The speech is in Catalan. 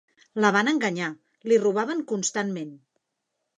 La van enganyar, li robaven constantment.